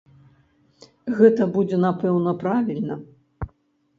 Гэта будзе, напэўна, правільна.